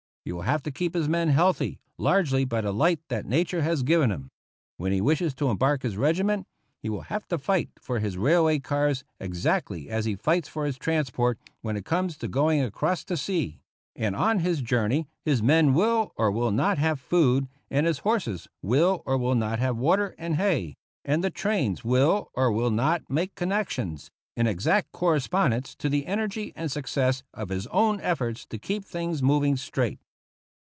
He will have to keep his men healthy largely by the light that nature has given him. When he wishes to em bark his regiment, he will have to fight for his railway cars exactly as he fights for his transport when it comes to going across the sea ; and on his journey his men will or will not have food, and his horses will or will not have water and hay, and the trains will or will not make connec tions, in exact correspondence to the energy and success of his own efforts to keep things moving straight.